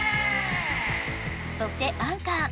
そしてアンカー。